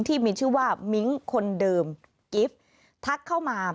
ที่มีชื่อว่ามิ้งคนเดิมกิฟต์ทักเข้ามา